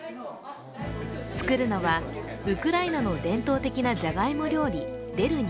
作るのは、ウクライナの伝統的なじゃがいも料理、デルニ。